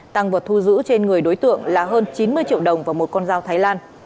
tăng vật thu giữ trên người đối tượng là hơn chín mươi triệu đồng và một con dao thái lan